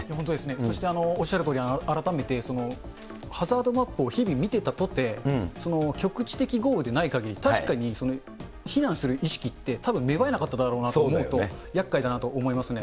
そしておっしゃるとおり、改めてハザードマップを日々見てたとて、局地的豪雨でないかぎり、確かに避難する意識って、たぶん芽生えなかっただろうなと思うとやっかいだなと思いますね。